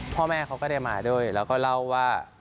พ่อแม่เขาก็ได้มาด้วยแล้วก็เล่าว่า